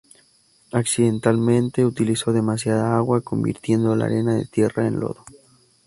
Accidentalmente utilizó demasiada agua, convirtiendo la arena de tierra en lodo.